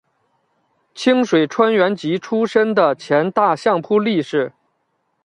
清水川元吉出身的前大相扑力士。